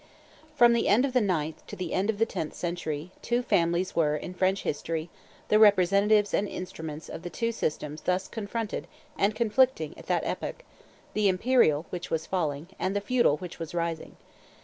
From the end of the ninth to the end of the tenth century, two families were, in French history, the representatives and instruments of the two systems thus confronted and conflicting at that epoch, the imperial which was falling, and the feudal which was rising.